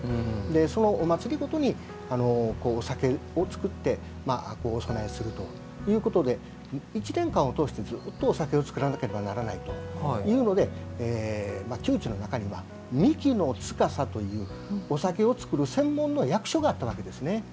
でそのお祭りごとにお酒を造ってお供えするということで１年間を通してずっとお酒を造らなければならないというのでまあ宮中の中には造酒司というお酒を造る専門の役所があったわけですね。